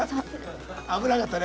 危なかったね。